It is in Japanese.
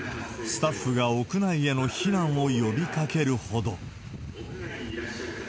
スタッフが屋内への避難を呼びかけるほど。